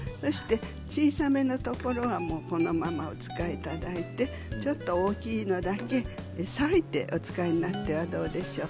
小さめのところはこのままお使いいただいて大きいものだけ裂いてお使いになってはどうでしょうか。